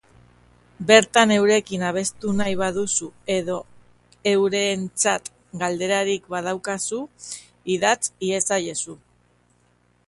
Bertan eurekin abestu nahi baduzu edo eurentzat galderarik badaukazu, idatz iezaiezu!